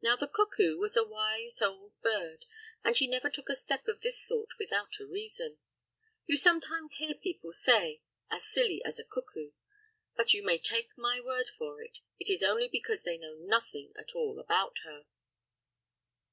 Now, the cuckoo was a wise old bird, and she never took a step of this sort without a reason. You sometimes hear people say, "As silly as a cuckoo," but you may take my word for it, it is only because they know nothing at all about her.